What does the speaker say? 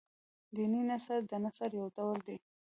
دیني نثر د نثر يو ډول دﺉ.